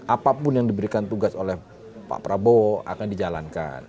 apapun yang diberikan tugas oleh pak prabowo akan dijalankan